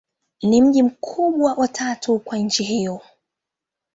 Ni mji mkubwa wa tatu wa nchi hiyo.